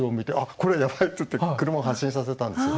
これやばい！って言って車を発進させたんですよ。